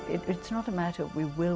kita mengucapkan terima kasih